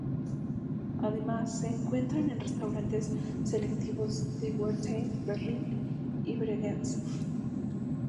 Además, se encuentran en restaurantes selectos de Wertheim, Berlín y Bregenz.